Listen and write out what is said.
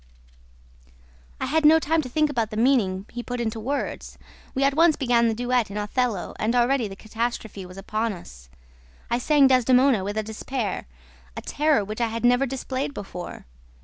"I had no time to think about the meaning he put into his words. We at once began the duet in Othello and already the catastrophe was upon us. I sang Desdemona with a despair, a terror which I had never displayed before.